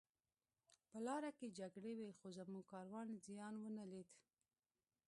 په لاره کې جګړې وې خو زموږ کاروان زیان ونه لید